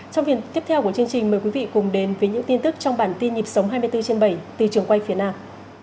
trong phần tiếp theo của chương trình mời quý vị cùng đến với những tin tức trong bản tin nhịp sống hai mươi bốn trên bảy từ trường quay phía nam